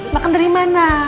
makan dari mana